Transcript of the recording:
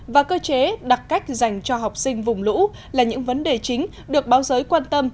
và cơ chế đặc cách dành cho học sinh vùng lũ là những vấn đề chính được báo giới quan tâm